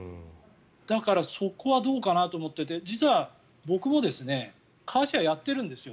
だから、そこはどうかなと思って実は僕もカーシェアやってるんですよ。